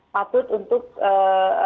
patut untuk melakukan